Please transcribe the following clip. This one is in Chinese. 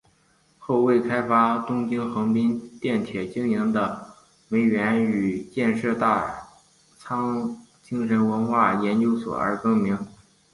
后为了开发东京横滨电铁经营的梅园与建设大仓精神文化研究所而更名。